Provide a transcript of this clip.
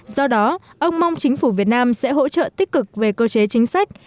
do đó ông mong chính phủ việt nam sẽ hỗ trợ tích cực về cơ chế chính sách